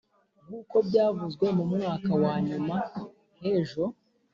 nk’uko byavuzwe, mu mwaka wa nyuma hejo